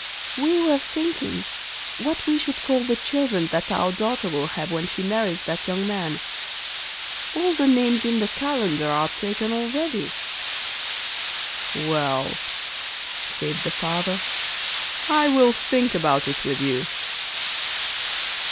'We were thinking what we should call the children that our daughter will have when she marries that young man. All the names in the calendar are taken already.' 'Well,' said the father, 'I will think about it with you.